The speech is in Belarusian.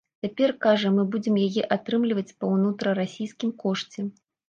Цяпер, кажа, мы будзем яе атрымліваць па ўнутрырасійскім кошце.